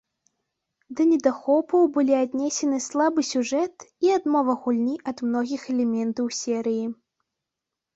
Да недахопаў былі аднесены слабы сюжэт і адмова гульні ад многіх элементаў серыі.